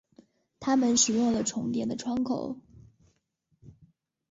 他们使用了重叠的窗口。